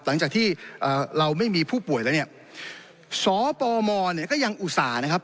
หลังจากที่เราไม่มีผู้ป่วยแล้วเนี่ยสปมเนี่ยก็ยังอุตส่าห์นะครับ